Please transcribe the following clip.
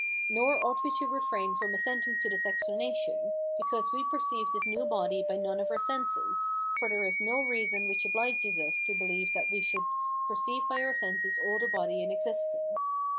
Nor ought we to refrain from assenting to this explanation, because we perceive this new body by none of our senses, for there is no reason which obliges us to believe that we should perceive by our senses all the bodies in existence.